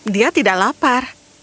dia tidak lapar